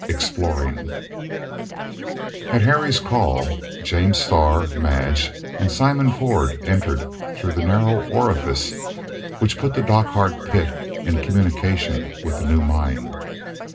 EXPLORING At Harry's call, James Starr, Madge, and Simon Ford entered through the narrow orifice which put the Dochart pit in communication with the new mine.